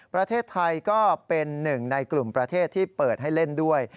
ประเทศไทยก็เป็นหนึ่งในกลุ่มประเทศที่เปิดให้เล่นด้วย